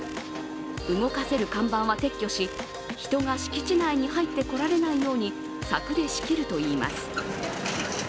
動かせる看板は撤去し人が敷地内に入ってこられないように柵で仕切るといいます。